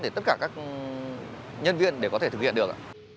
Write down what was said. để tất cả các nhân viên để có thể thực hiện được